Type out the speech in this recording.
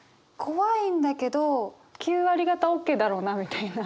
怖いんだけど９割がたＯＫだろうなみたいな。